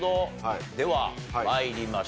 では参りましょう。